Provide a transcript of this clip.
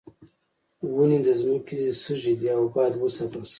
ونې د ځمکې سږی دي او باید وساتل شي.